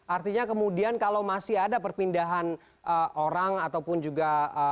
artinya kemudian kalau masih ada perpindahan orang ataupun juga